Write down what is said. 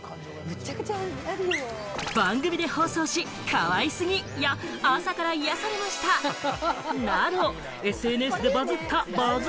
番組で放送し、可愛すぎ！や、朝から癒されました！など、ＳＮＳでバズったＢＵＺＺ